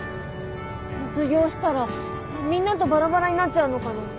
卒業したらみんなとバラバラになっちゃうのかな。